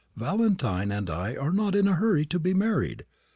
Valentine and I are not in a hurry to be married.